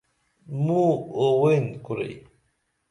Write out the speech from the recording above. موں اووین کُرئی